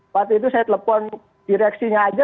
waktu itu saya telepon direksinya aja